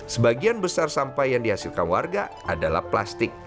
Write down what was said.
sebagian besar sampah yang dihasilkan warga adalah plastik